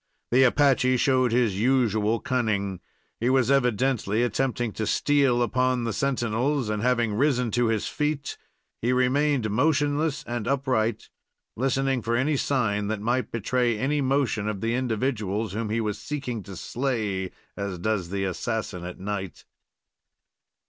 The Apache showed his usual cunning. He was evidently attempting to steal upon the sentinels, and, having risen to his feet, he remained motionless and upright, listening for any sign that might betray any motion of the individuals whom he was seeking to slay, as does the assassin at night.